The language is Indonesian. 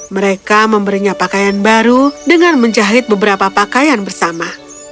mereka memberinya pakaian baru dengan menjahit beberapa pakaian bersama